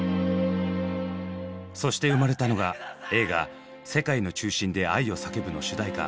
そして生まれたのが映画「世界の中心で、愛をさけぶ」の主題歌